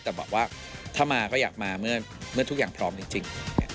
แต่บอกว่าถ้ามาก็อยากมาเมื่อทุกอย่างพร้อมจริง